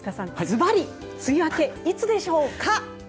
ずばり梅雨明けいつでしょうか？